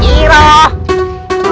terima kasih raden